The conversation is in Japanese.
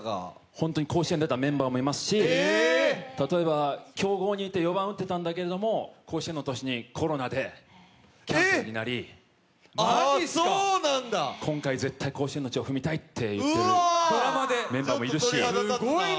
本当に甲子園に出たメンバーもいますし強豪にいて４番を打っていたんだけど甲子園の年にコロナで欠場になり今回絶対甲子園の地を踏みたいって言ってるメンバーもいるし。